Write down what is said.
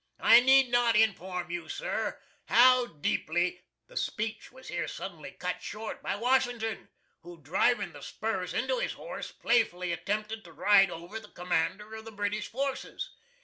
I need not inform you, Sir, how deeply " The speech was here suddenly cut short by Washington, who, driving the spurs into his horse, playfully attempted to ride over the commander of the British forces.